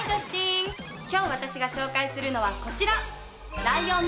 今日私が紹介するのはこちら。